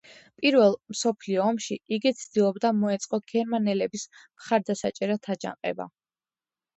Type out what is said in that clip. პირველ მსოფლიო ომში იგი ცდილობდა მოეწყო გერმანელების მხარდასაჭერად აჯანყება.